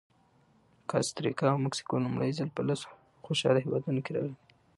کاستریکا او مکسیکو لومړی ځل په لسو خوشحاله هېوادونو کې راغلي دي.